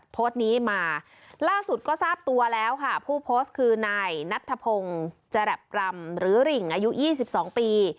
โพสต์นี้มาล่าสุดก็ทราบตัวแล้วค่ะผู้โพสต์คือนายนัทธพงศ์จรับกรำหรือริ่งอายุ๒๒ปี